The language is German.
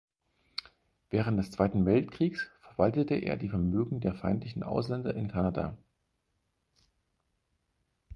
Während des Zweiten Weltkriegs verwaltete er die Vermögen der feindlichen Ausländer in Kanada.